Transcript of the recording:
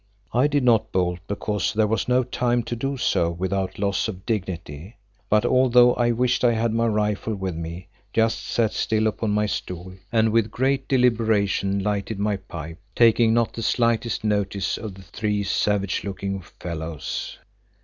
I did not bolt because there was no time to do so without loss of dignity, but, although I wished I had my rifle with me, just sat still upon my stool and with great deliberation lighted my pipe, taking not the slightest notice of the three savage looking fellows.